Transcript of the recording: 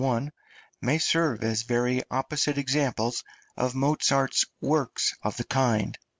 may serve as very opposite examples of Mozart's works of the kind.